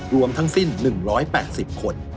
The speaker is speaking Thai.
รวมทั้งสิ้น๑๘๐คน